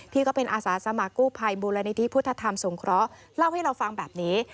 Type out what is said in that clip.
ก็เป็นอาสาสมัครกู้ภัยมูลนิธิพุทธธรรมสงเคราะห์เล่าให้เราฟังแบบนี้